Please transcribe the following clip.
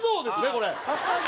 これ。